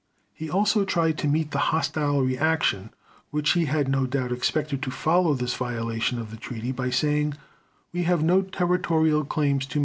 He also tried to meet the hostile reaction which he no doubt expected to follow this violation of the Treaty by saying: "We have no territorial claims to make in Europe."